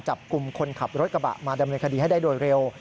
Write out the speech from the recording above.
จับกลุ่มคนขับรถกระบะมาดำเนินคดีให้ได้โดยเร็ว